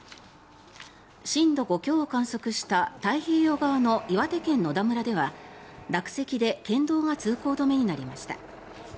震度５強を観測した太平洋側の岩手県野田村では落石で県道が通行止めになりました。